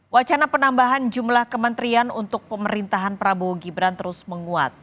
wacana penambahan jumlah kementerian untuk pemerintahan prabowo gibran terus menguat